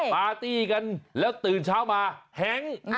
ปาร์ตี้กันแล้วตื่นเช้ามาแฮง